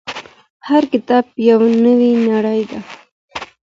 هر کتاب يوه نوې نړۍ ده.